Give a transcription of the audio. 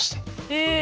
へえ。